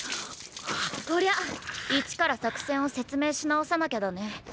こりゃ一から作戦を説明し直さなきゃだね。